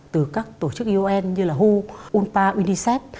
từ các tổ chức un như là ho unpa unicef